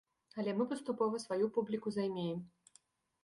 Але мы паступова сваю публіку займеем.